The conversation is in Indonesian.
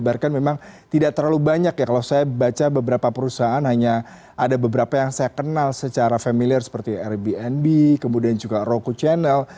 bahkan memang tidak terlalu banyak ya kalau saya baca beberapa perusahaan hanya ada beberapa yang saya kenal secara familiar seperti airbnb kemudian juga roku channel